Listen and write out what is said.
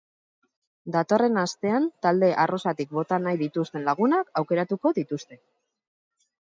Datorren astean talde arrosatik bota nahi dituzten lagunak aukeratuko dituzte.